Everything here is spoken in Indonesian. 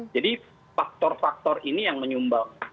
jadi faktor faktor ini yang menyumbang semua itu